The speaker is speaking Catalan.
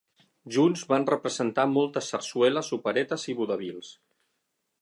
Junts van representar moltes sarsueles, operetes i vodevils.